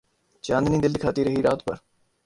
چاندنی دل دکھاتی رہی رات بھر